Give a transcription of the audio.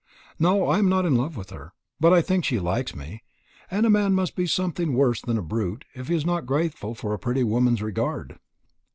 No, I am not in love with her; but I think she likes me; and a man must be something worse than a brute if he is not grateful for a pretty woman's regard."